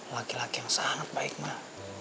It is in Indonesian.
laki laki yang sangat baik mbak